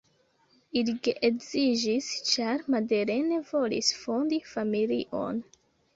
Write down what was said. Ili geedziĝis, ĉar Madeleine volis fondi familion.